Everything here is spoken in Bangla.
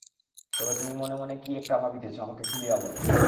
তবে তুমি মনে মনে কী একটা ভাবিতেছ, আমাকে খুলিয়া বলো।